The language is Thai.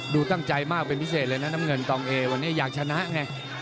ดูตั้งใจมากเป็นพิเศษเลยนะน้ำเงินตองเอวันนี้อยากชนะไง